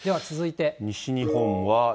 西日本は。